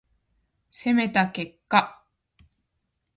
攻めた結果